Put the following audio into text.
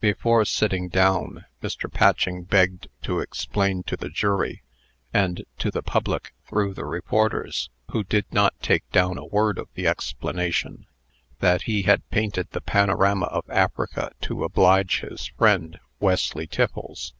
Before sitting down, Mr. Patching begged to explain to the jury, and to the public through the reporters (who did not take down a word of the explanation), that he had painted the panorama of Africa to oblige his friend, "Wesley Tiffles.